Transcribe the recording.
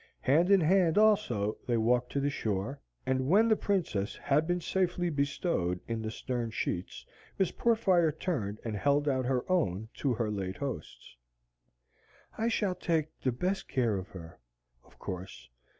Hand in hand also they walked to the shore, and when the Princess had been safely bestowed in the stern sheets, Miss Portfire turned and held out her own to her late host. "I shall take the best of care of her, of course.